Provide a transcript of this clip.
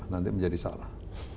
nanti menjadi salah